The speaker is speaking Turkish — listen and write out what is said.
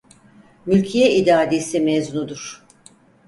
Mülkiye İdadisi mezunudur.